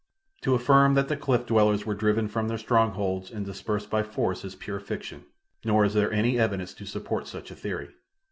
To affirm that the cliff dwellers were driven from their strongholds and dispersed by force is pure fiction, nor is there any evidence to support such a theory.